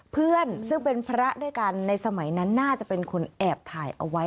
เพื่อนซึ่งเป็นพระด้วยกันในสมัยนั้นน่าจะเป็นคนแอบถ่ายเอาไว้